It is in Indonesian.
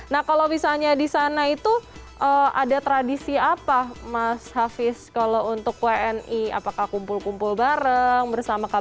nah kalau misalnya di sana itu ada tradisi apa mas hafiz kalau untuk wni apakah kumpul kumpul bareng bersama keluarga